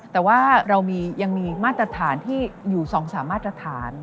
แต่ว่าเรายังมีมาตรฐานที่อยู่๒๓มาตรฐาน